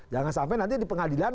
jangan sampai nanti di pengadilan